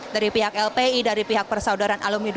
dari pihak lpi dari pihak persaudaran alumni dua ratus dua belas